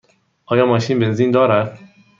آیا ماشین بنزین دارد؟